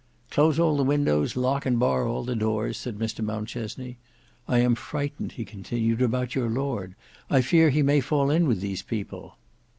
"Close all the windows, lock and bar all the doors," said Mr Mountchesney. "I am frightened," he continued, "about your lord. I fear he may fall in with these people."